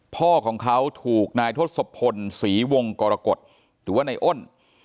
พ่อของเขาถูกนายทศพลศรีวงกรกฎหรือว่าในอ้น